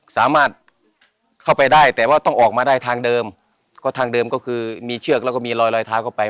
สามารถเข้าไปได้แต่ว่าต้องออกมาได้ทางเดิมก็ทางเดิมก็คือมีเชือกแล้วก็มีรอยรอยเท้าเข้าไป